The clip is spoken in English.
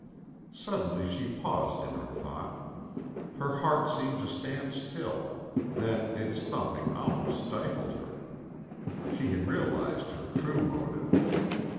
Suddenly she paused in her thought. Her heart seemed to stand still, then its thumping almost stifled her. She had realized her true motive.